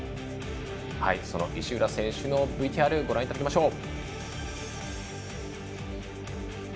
石浦選手のＶＴＲご覧いただきましょう。